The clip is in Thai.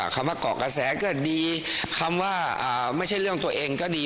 คำว่าเกาะกระแสก็ดีคำว่าไม่ใช่เรื่องตัวเองก็ดี